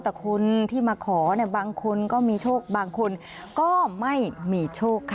แต่คนที่มาขอเนี่ยบางคนก็มีโชคบางคนก็ไม่มีโชคค่ะ